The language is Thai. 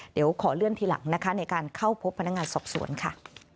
เดี๋ยวขอเลื่อนทีหลังนะคะในการเข้าพบพนักงานสอบสวนค่ะ